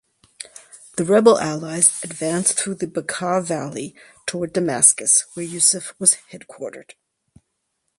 The rebel allies advanced through the Beqaa Valley toward Damascus where Yusuf was headquartered.